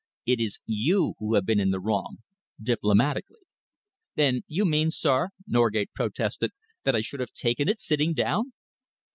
It is you who have been in the wrong diplomatically." "Then you mean, sir," Norgate protested, "that I should have taken it sitting down?"